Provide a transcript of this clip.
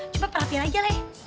coba perhatian aja leh